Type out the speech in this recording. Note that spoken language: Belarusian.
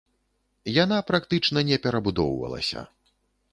Яна практычна не перабудоўвалася.